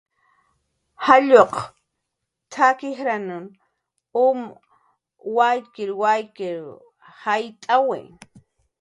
"jalluq t""ak ijran um waykir waykir jayt'awi"